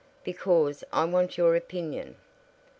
"Because I want your opinion."